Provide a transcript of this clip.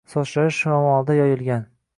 Sochlari shamolda yoyilgan